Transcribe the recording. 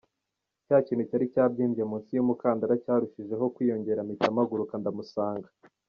Cya kintu cyari cyabyimbye munsi y’umukandara cyarushije ho kwiyongera mpita mpaguruka ndamusanga.